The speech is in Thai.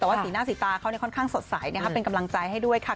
แต่ว่าสีหน้าสีตาเขาค่อนข้างสดใสเป็นกำลังใจให้ด้วยค่ะ